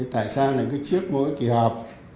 tại sao này cứ trước mỗi kỳ họp